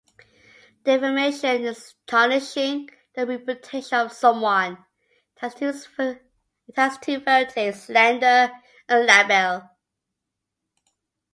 Defamation is tarnishing the reputation of someone; it has two varieties, "slander" and "libel".